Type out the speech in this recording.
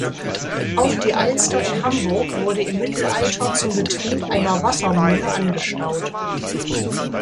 Auch die Alster in Hamburg wurde im Mittelalter zum Betrieb einer Wassermühle angestaut.